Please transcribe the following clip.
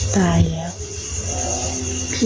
ตายแล้วพี่